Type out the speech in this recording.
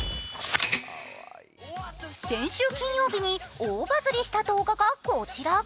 先週金曜日に大バズリした動画がこちら。